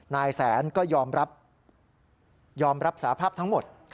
นายแสนก็ยอมรับสาภาพทั้งหมด